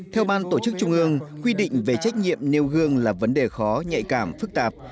theo ban tổ chức trung ương quy định về trách nhiệm nêu gương là vấn đề khó nhạy cảm phức tạp